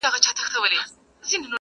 چي مي ښکار وي په هر ځای کي پیداکړی-